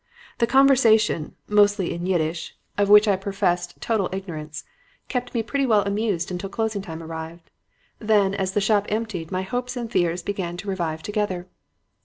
The conversation, mostly in Yiddish of which I professed total ignorance kept me pretty well amused until closing time arrived. Then, as the shop emptied, my hopes and fears began to revive together.